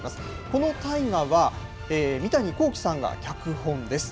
この大河は、三谷幸喜さんが脚本です。